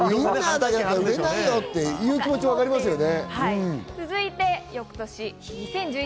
売れないよっていう気持ち、わかりますね。